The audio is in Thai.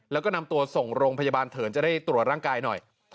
แล้วก็นำตัวส่งโรงพยาบาลเถินจะได้ตรวจร่างกายหน่อย